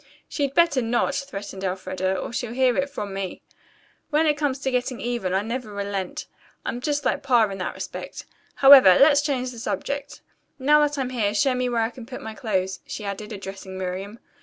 "She'd better not," threatened Elfreda, "or she'll hear it from me. When it comes to getting even, I never relent. I'm just like Pa in that respect. However, let's change the subject. Now that I'm here, show me where I can put my clothes," she added, addressing Miriam.